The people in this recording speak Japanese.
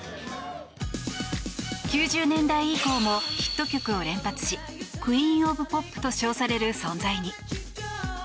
９０年代以降もヒット曲を連発しクイーン・オブ・ポップと称される存在に。